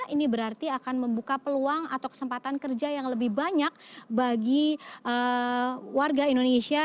ini berarti akan membuka peluang atau kesempatan kerja yang lebih banyak bagi warga indonesia